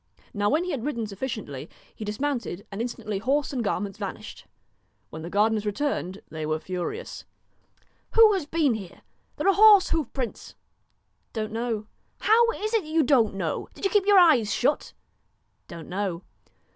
Now when he had ridden sufficiently, he dismount ed, and instantly horse and garments vanished. When the gardeners returned they were furious. 'Who has been here? There are horse hoof prints !' 1 Don't know.' 139 DON'T 'How is it you don't know? Did you keep your KNOW eyes shut?' ' Don't know.'